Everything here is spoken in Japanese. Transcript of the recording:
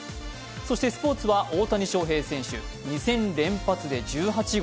そしてスポーツは大谷翔平選手、２戦連発で１８号。